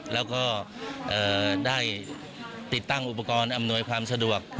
แล้วก็ได้ติดตั้งอุปกรณ์อำนวยความสะดวก